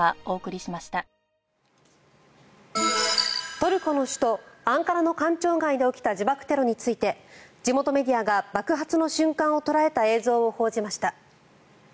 トルコの首都アンカラの官庁街で起きた自爆テロについて地元メディアが爆発の瞬間を捉えた映像を報じました。